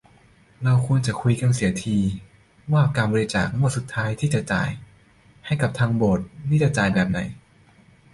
เราควรจะคุยกันเสียที ว่าการบริจาคงวดสุดท้ายที่จะจ่ายให้กับโบสถ์นี่จะจ่ายแบบไหน